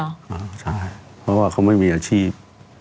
ใช่เพราะว่าเขาไม่มีอาชีพ